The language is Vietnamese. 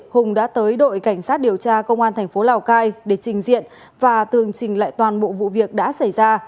hùng đã tới đội cảnh sát điều tra công an thành phố lào cai để trình diện và tường trình lại toàn bộ vụ việc đã xảy ra